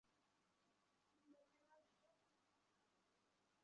বলতে চাইছি যে, প্রথমে তোমার কোনো প্রয়োজন ছিল না।